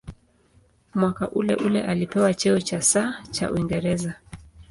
Mwaka uleule alipewa cheo cha "Sir" cha Uingereza.